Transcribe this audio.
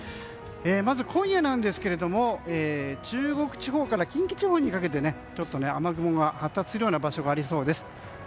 まず今夜、中国地方から近畿地方にかけて雨雲が発達するような場所がありそうです。